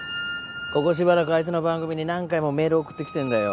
ここしばらくあいつの番組に何回もメール送ってきてるんだよ。